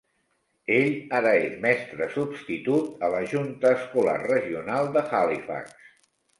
Ell ara és mestre substitut a la Junta Escolar Regional de Halifax.